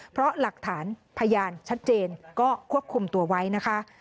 เพราะหลักฐานพยานชัดเจนก็ควบคุมตัวไว้นะคะ